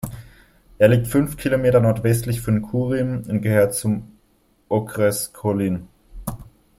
Er liegt fünf Kilometer nordwestlich von Kouřim und gehört zum Okres Kolín.